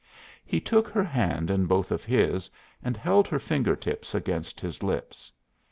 He took her hand in both of his and held her finger tips against his lips.